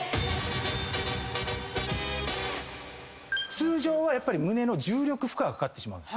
通常はやっぱり胸の重力負荷がかかってしまう。